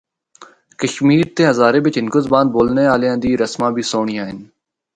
کشمیر تے ہزارے بچ ہندکو زبان بولنا آلیاں دیاں رسماں بھی سہنڑیاں ہن۔